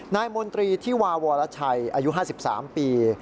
มนตรีที่วาวรชัยอายุ๕๓ปี